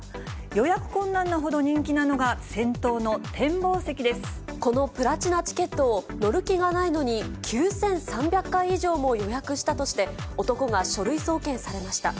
予約困難なほど人気なのが、このプラチナチケットを乗る気がないのに、９３００回以上も予約したとして、男が書類送検されました。